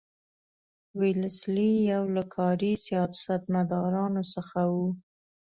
ویلسلي یو له کاري سیاستمدارانو څخه وو.